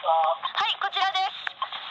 ☎・はいこちらです！